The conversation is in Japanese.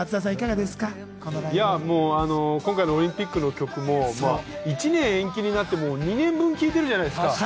今回のオリンピックの曲も１年延期になっても、２年分聴いてるじゃないですか。